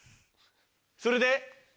それで？